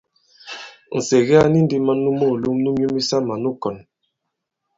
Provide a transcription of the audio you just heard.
Nsège a ni ndī man nu moòlom nu myu misamà nu kɔ̀n.